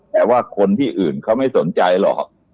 แต่ว่าคนที่อื่นเขาไม่สนใจหรอก